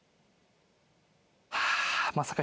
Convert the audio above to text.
あまさか